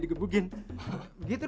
duduk aja duduk